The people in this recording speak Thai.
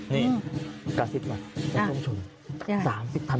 นี่กระซิบก่อนไอ้ส้มถุน